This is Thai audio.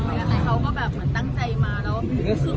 คือความน่ารักก็ก็มาเกิดอย่างเขาก็รีบมาหมายประชุม